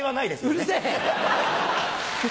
うるせぇ！